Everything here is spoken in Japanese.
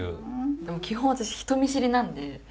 でも基本私人見知りなんで。